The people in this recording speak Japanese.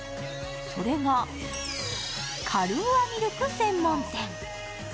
それがカルーアミルク専門店。